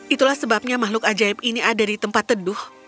itulah sebabnya makhluk ajaib ini ada di tempat teduh